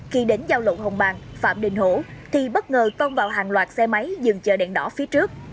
khi đến giao lộn hồng bàng phạm đình hổ thì bất ngờ tông vào hàng loạt xe máy dừng chờ đèn đỏ phía trước